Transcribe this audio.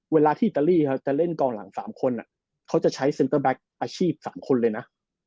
เวลาที่อิตาลีจะเล่นกองหลัง๓คนเขาจะใช้เซ็นเตอร์แบ็คอาชีพ๓คนเลยนะ